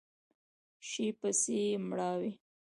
شي پسې مړاوی